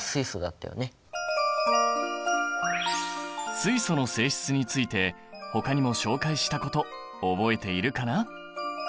水素の性質についてほかにも紹介したこと覚えているかな？